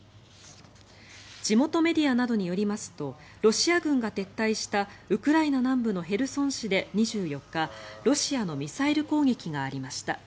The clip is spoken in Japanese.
地元メディアなどによりますとロシア軍が撤退したウクライナ南部のヘルソン市で２４日ロシアのミサイル攻撃がありました。